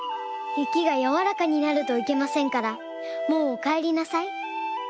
雪がやわらかになるといけませんからもうおかえりなさい。